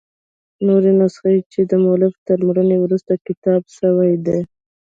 نوري نسخې، چي دمؤلف تر مړیني وروسته کتابت سوي يي.